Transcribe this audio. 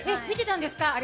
見てたんですか？